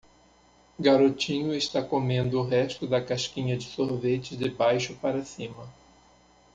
Garotinho está comendo o resto da casquinha de sorvete de baixo para cima.